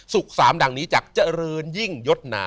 สามดังนี้จากเจริญยิ่งยศนา